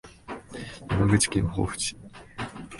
山口県防府市